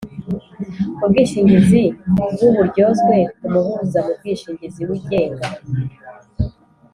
Ubwishingizi bw’uburyozwe ku muhuza mu bwishingizi wigenga